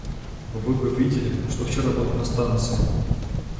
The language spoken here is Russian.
Вы бы видели, что вчера было на станции!